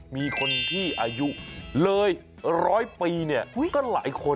มีคนที่อายุเลย๑๐๐ปีเนี่ยก็หลายคน